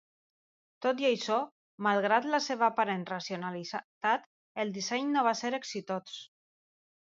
Tot i això, malgrat la seva aparent racionalitat, el disseny no va ser exitós.